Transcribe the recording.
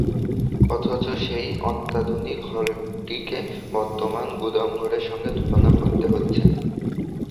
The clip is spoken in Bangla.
অথচ সেই অত্যাধুনিক হলটিকে বর্তমান গুদাম ঘরের সঙ্গে তুলনা করতে হচ্ছে।